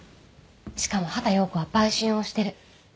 しかも畑葉子は売春をしてる。